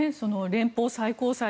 連邦最高裁